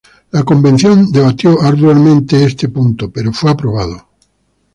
La convención debatió arduamente este punto, pero fue aprobado.